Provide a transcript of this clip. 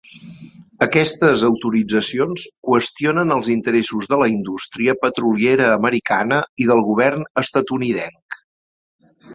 Aquestes autoritzacions qüestionen els interessos de la indústria petroliera americana i del govern estatunidenc.